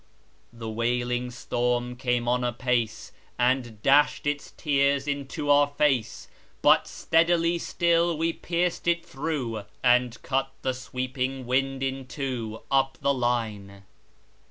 The wailing storm came on apace, And dashed its tears into our fade; But steadily still we pierced it through, And cut the sweeping wind in two, Up the line.